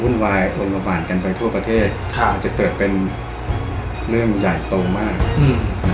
วายอลละหมานกันไปทั่วประเทศค่ะอาจจะเกิดเป็นเรื่องใหญ่โตมากอืม